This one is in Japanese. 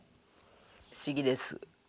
不思議です。